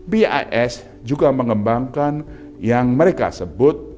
bis juga mengembangkan yang mereka sebut